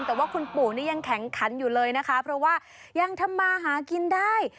แต่ว่าคุณปู่นี่ยังแข็งขันอยู่เลยนะคะเพราะว่ายังทำมาหากินได้